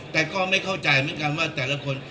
แต่ก็ไม่เข้าใจเหมือนกันว่าแต่ละคน